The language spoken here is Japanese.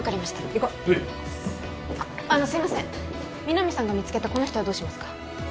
行こうあのすいません皆実さんが見つけたこの人はどうしますか？